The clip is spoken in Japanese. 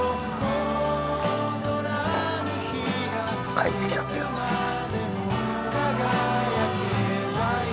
帰ってきたって感じですね。